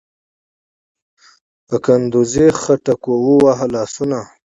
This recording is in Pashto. په کندوزي خربوزو ووهه لاسونه